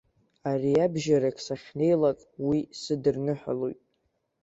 Ариабжьарак сахьнеилак уи сыдырныҳәалоит.